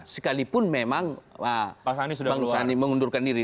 sekalipun memang bang sandi mengundurkan diri